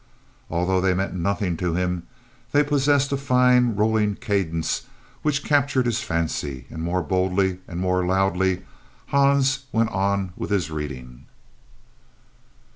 Although they meant nothing to him, they possessed a fine rolling cadence which captured his fancy, and more boldly and more loudly Hans went on with his reading.